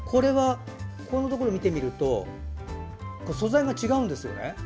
こういうところを見てみると素材が違うんですよね。